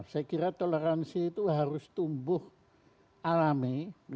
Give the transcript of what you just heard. saya kira toleransi itu harus tumbuh alami